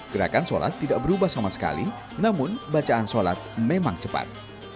gerakan sholat tidak berubah sama sekali namun bacaan sholat memang cepat